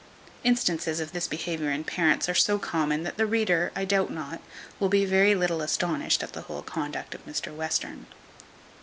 Instances of this behaviour in parents are so common, that the reader, I doubt not, will be very little astonished at the whole conduct of Mr Western.